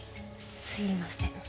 すみません。